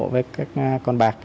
với các con bạc